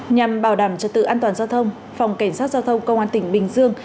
nhằm bảo đảm trật tự an toàn giao thông phòng cảnh sát giao thông công an tỉnh bình dương